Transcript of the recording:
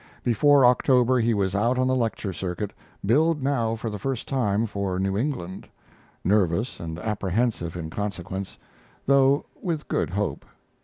Before October he was out on the lecture circuit, billed now for the first time for New England, nervous and apprehensive in consequence, though with good hope.